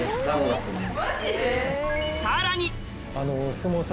さらに！